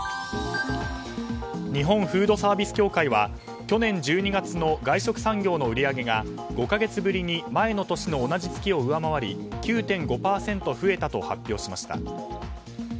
日本フードサービス協会は去年１２月の外食産業の売り上げが５か月ぶりに前の年の同じ月を上回り９．５％増えたと発表しました。